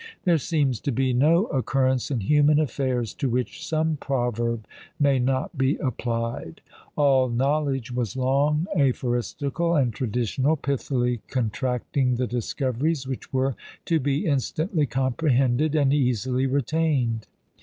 There seems to be no occurrence in human affairs to which some proverb may not be applied. All knowledge was long aphoristical and traditional, pithily contracting the discoveries which were to be instantly comprehended and easily retained.